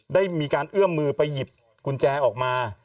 ได้มีการเอื้อมมือไปหยิบกุญแจออกมา